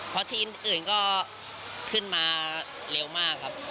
เพราะทีมอื่นก็ขึ้นมาเร็วมากครับ